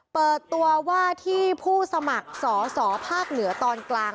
เปิดตัวว่าที่ผู้สมัครสอสอภาคเหนือตอนกลาง